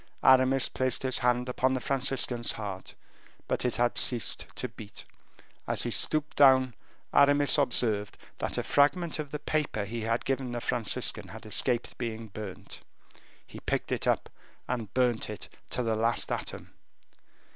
Aramis placed his hand upon the Franciscan's heart, but it had ceased to beat. As he stooped down, Aramis observed that a fragment of the paper he had given the Franciscan had escaped being burnt. He picked it up, and burnt it to the last atom.